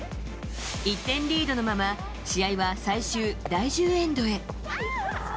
１点リードのまま、試合は最終第１０エンドへ。